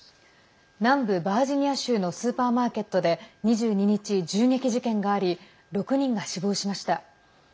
南部バージニア州のスーパーマーケットで２２日、銃撃事件があり６人が死亡しました。